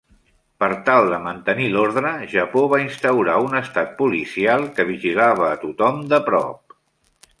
Per tal de mantenir l'ordre, Japó va instaurar un estat policial que vigilava a tothom de prop.